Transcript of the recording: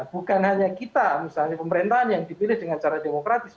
bukan hanya kita misalnya pemerintahan yang dipilih dengan cara demokratis